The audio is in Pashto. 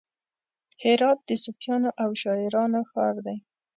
هرات د صوفیانو او شاعرانو ښار دی.